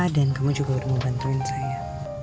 dan kamu juga udah mau bantuin saya